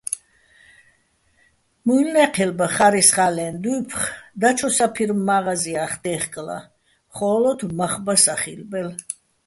მუჲლნე́ჴელბა ხა́რისხა́ლეჼ დუ́ფხო̆ დაჩო საფირმო̆ მა́ღაზია́ხ დე́ხკლა, ხო́ლოთ მახ ბა სახილბელ.